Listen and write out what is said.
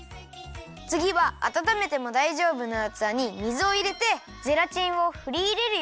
つぎはあたためてもだいじょうぶなうつわに水をいれてゼラチンをふりいれるよ。